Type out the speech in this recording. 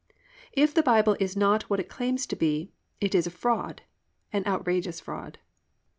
If the Bible is not what it claims to be, it is a fraud—an outrageous fraud.